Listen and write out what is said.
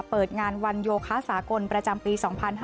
เปิดงานวันโยคะสากลประจำปี๒๕๕๙